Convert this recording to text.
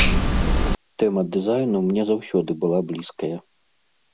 Тэма дызайну мне заўсёды была блізкая.